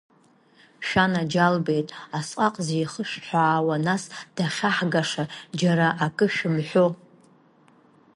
Шәанаџьалбеит, асҟак зихышәҳәаауа, нас дахьаҳгаша џьара акы шәымҳәо!